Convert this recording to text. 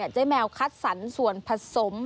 แมวคัดสรรส่วนผสม